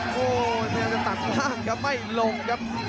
โอ้โหพยายามจะตัดล่างครับไม่ลงครับ